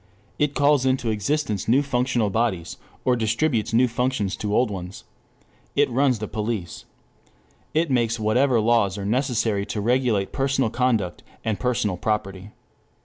It calls into existence new functional bodies, or distributes new functions to old ones. It runs the police. It makes whatever laws are necessary to regulate personal conduct and personal property.